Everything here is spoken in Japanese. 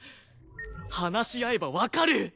話し合えばわかる！